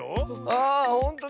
ああっほんとだ！